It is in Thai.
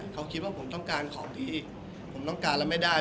เขาคิดว่าผมต้องการของดีผมต้องการแล้วไม่ได้